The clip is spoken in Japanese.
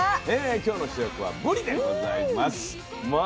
今日の主役はぶりでございます。